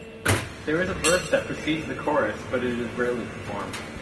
There is a verse that precedes the chorus, but it is rarely performed.